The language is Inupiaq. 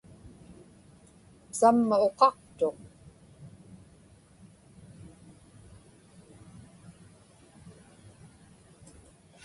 samma uqaqtuq